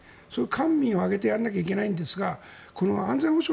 官民を挙げてやらなきゃいけないんですがこの安全保障